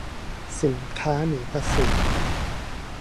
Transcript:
สินค้าหนีภาษี